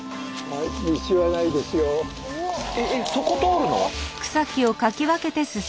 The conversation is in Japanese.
えそこ通るの？